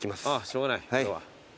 しょうがない今日は。